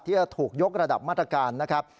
ที่จะถูกยกระดับมาตรการนะครับ